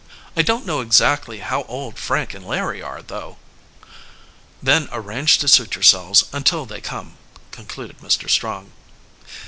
"I don't how exactly how old Frank and Larry are, though." "Then arrange to suit yourselves until they come," concluded Mr. Strong.